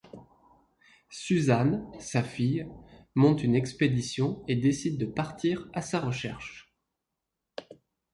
Susan, sa fille, monte une expédition et décide de partir à sa recherche.